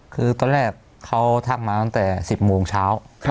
คือตอนแรกเขาทักมาตั้งแต่๑๐โมงเช้า